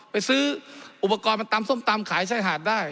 ไปซื้ออุปกรณ์มาตำส้มตำขายชายหาดได้